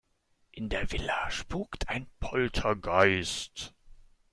In der Villa spukt ein Poltergeist.